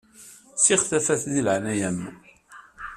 Ssiɣ tafat di laɛnaya-m.